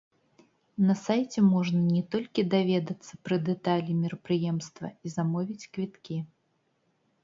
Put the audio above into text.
На сайце можна не толькі даведацца пра дэталі мерапрыемства і замовіць квіткі.